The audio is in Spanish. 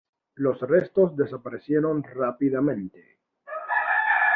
Los restos desaparecieron rápidamente.